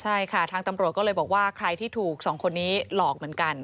ใช่ค่ะทางตำรวจก็เลยบอกว่าใครที่ถูกสองคนนี้หลอกเหมือนกัน